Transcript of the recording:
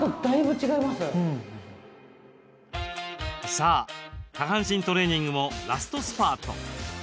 さあ、下半身トレーニングもラストスパート。